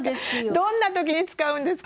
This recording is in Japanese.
どんな時に使うんですか？